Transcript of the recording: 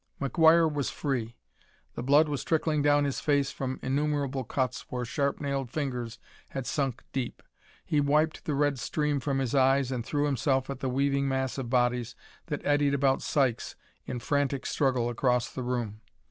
McGuire was free; the blood was trickling down his face from innumerable cuts where sharp nailed fingers had sunk deep. He wiped the red stream from his eyes and threw himself at the weaving mass of bodies that eddied about Sykes in frantic struggle across the room.